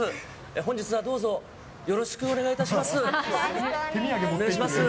本日はどうぞよろしくお願いいたよろしくお願いします。